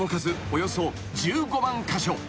およそ１５万カ所］